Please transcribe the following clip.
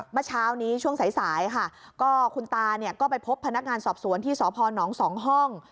เมื่อเช้านี้ช่วงสายสายค่ะก็คุณตาเนี่ยก็ไปพบพนักงานสอบสวนที่สพนสองห้อง